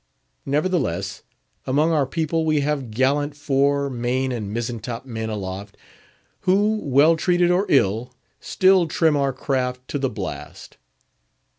Nevertheless, among our people we have gallant fore, main, and mizzen top men aloft, who, well treated or ill, still trim our craft to the blast.